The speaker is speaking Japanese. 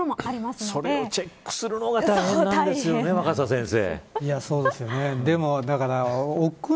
それをチェックするのが大変なんですよね、若狭先生。